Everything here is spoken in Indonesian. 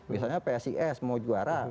misalnya psis mau juara